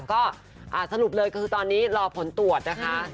ก็สรุปเลยก็คือตอนนี้รอผลตรวจนะคะ